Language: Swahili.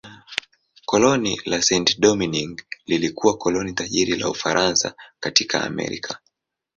Koloni la Saint-Domingue lilikuwa koloni tajiri la Ufaransa katika Amerika.